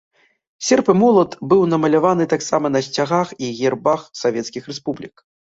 Серп і молат быў намаляваны таксама на сцягах і гербах савецкіх рэспублік.